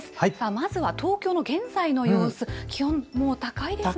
まずは東京の現在の様子、気温、もう高いですね。